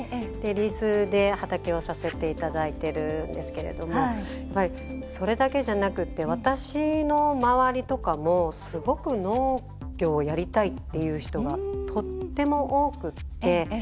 リースで畑をさせていただいてるんですけどそれだけじゃなくて私の周りとかも、すごく農業をやりたいっていう人がとっても多くって。